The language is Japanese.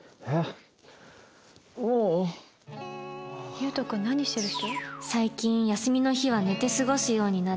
優斗君何してる人？